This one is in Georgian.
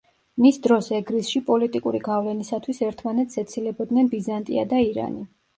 მის დროს ეგრისში პოლიტიკური გავლენისათვის ერთმანეთს ეცილებოდნენ ბიზანტია და ირანი.